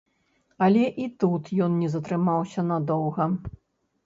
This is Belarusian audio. Але і тут ён не затрымаўся надоўга.